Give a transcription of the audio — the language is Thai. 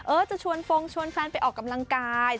จะชวนฟงชวนแฟนไปออกกำลังกาย